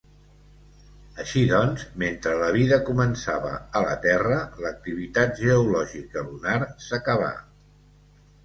Així doncs, mentre la vida començava a la Terra, l'activitat geològica lunar s'acabà.